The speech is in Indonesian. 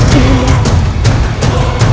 dinda supang lara